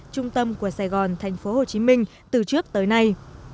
trung tâm của sài gòn tp hcm từ trước tới nay